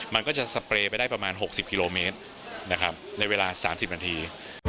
มันก็จะสเปรย์ไปได้ประมาณ๖๐กิโลเมตรในเวลา๓๐นาที